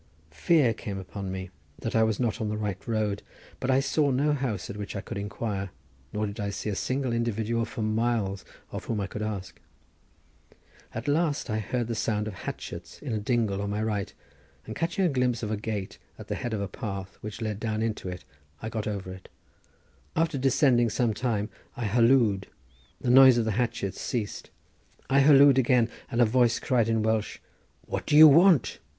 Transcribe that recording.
Fear came upon me that I was not in the right road, but I saw no house at which I could inquire, nor did I see a single individual for miles of whom I could ask. At last I heard the sound of hatchets in a dingle on my right, and catching a glimpse of a gate at the head of a path, which led down into it, I got over it. After descending some time I hallooed. The noise of the hatchets ceased. I hallooed again, and a voice cried in Welsh, "What do you want?"